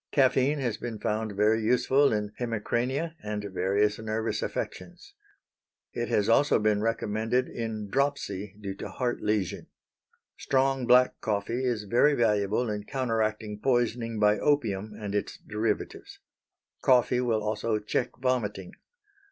Caffeine has been found very useful in hemicrania and various nervous affections. It has also been recommended in dropsy due to heart lesion. Strong, black coffee is very valuable in counteracting poisoning by opium and its derivatives. Coffee will also check vomiting.